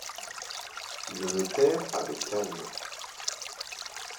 Le notaire , avec calme.